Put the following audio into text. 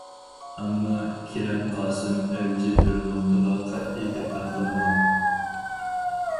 ئەمما كېرەم قاسىم ئەۋجى بىر نۇقتىغا قەتئىي دىققەت قىلمىغان.